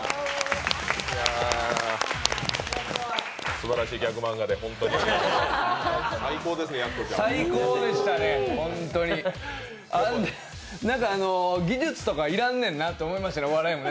すばらしいギャグ漫画でホントに、最高ですね、やす子ちゃん。技術とか要らんねんなと思いましたね、お笑いも。